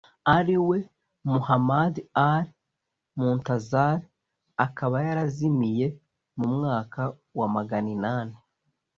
ari we muḥammad al-muntaẓar akaba yarazimiye mu mwaka wa maganinani